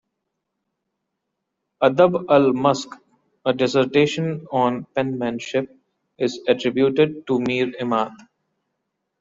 "Adab al-Masq", a dissertation on penmanship, is attributed to Mir Emad.